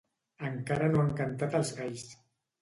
Encara no han cantat els galls.